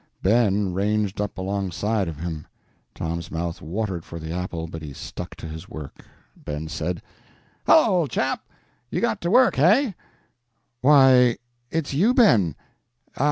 Ben ranged up alongside of him. Tom's mouth watered for the apple, but he stuck to his work. Ben said "Hello, old chap; you got to work, hey?" "Why, it's you, Ben!